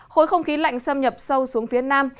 khối không khí lạnh xâm nhập sâu xuống phía nam